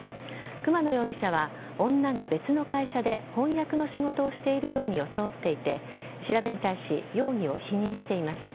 熊野容疑者は女が別の会社で翻訳の仕事をしているように装っていて調べに対し容疑を否認しています。